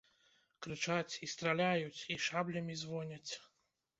Крычаць, і страляюць, і шаблямі звоняць.